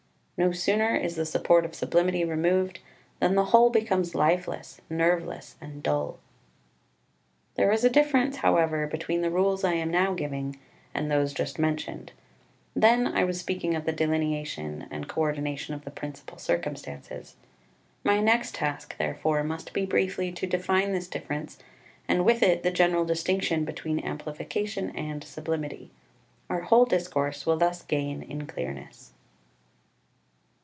No sooner is the support of sublimity removed than the whole becomes lifeless, nerveless, and dull. 3 There is a difference, however, between the rules I am now giving and those just mentioned. Then I was speaking of the delineation and co ordination of the principal circumstances. My next task, therefore, must be briefly to define this difference, and with it the general distinction between amplification and sublimity. Our whole discourse will thus gain in clearness.